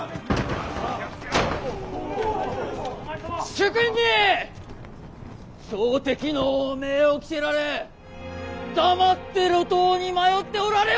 主君に朝敵の汚名を着せられ黙って路頭に迷っておられようか。